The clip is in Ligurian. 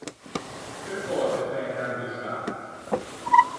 Percöse fæ tanto sciato?